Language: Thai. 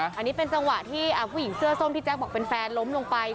อันนี้เป็นจังหวะที่ผู้หญิงเสื้อส้มที่แจ๊คบอกเป็นแฟนล้มลงไป